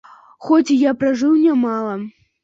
Хоць я і пражыў нямала.